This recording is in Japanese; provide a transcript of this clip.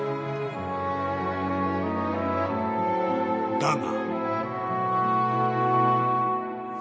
［だが］